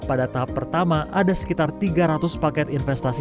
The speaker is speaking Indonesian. pada tahap pertama ada sekitar tiga ratus paket investasi